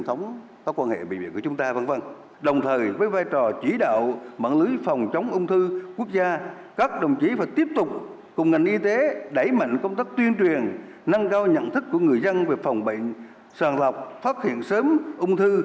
nâng cao nhận thức của người dân về phòng bệnh sàn lọc phát hiện sớm ung thư